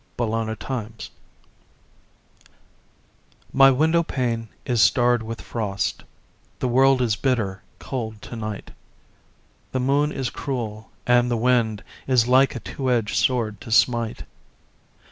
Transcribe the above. A Winter Night My window pane is starred with frost, The world is bitter cold to night, The moon is cruel, and the wind Is like a two edged sword to smite.